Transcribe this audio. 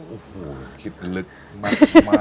โอ้โหคิดลึกมาก